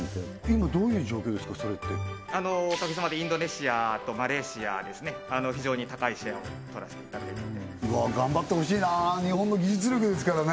今どういう状況ですかそれっておかげさまでインドネシアとマレーシアですね非常に高いシェアを取らせていただいててうわ頑張ってほしいな日本の技術力ですからね